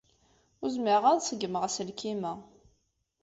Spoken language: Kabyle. Ur zmireɣ ara ad ṣeggmeɣ aselkim-a.